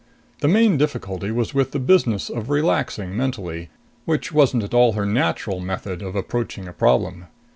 The main difficulty was with the business of relaxing mentally, which wasn't at all her natural method of approaching a problem.